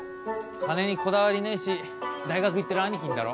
金にこだわりねえし大学行ってる兄貴いんだろ？